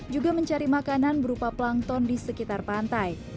juga mencari makanan berupa plankton di sekitar pantai